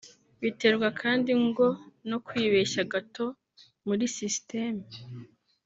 Biterwa kandi ngo no kwibeshya gato muri sisiteme